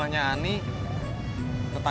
neng ani sibuk bos